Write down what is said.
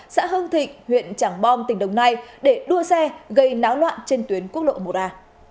xã hưng thịnh huyện trảng bom tỉnh đồng nai để đua xe gây náo loạn trên tuyến quốc lộ một a